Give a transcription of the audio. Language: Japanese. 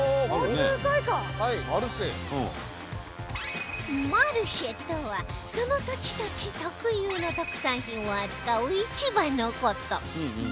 マルシェとはその土地土地特有の特産品を扱う市場の事